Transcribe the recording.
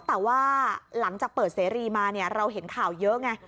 แต่ว่าหลังจากเปิดเสรีมาเนี่ยเราเห็นข่าวเยอะไง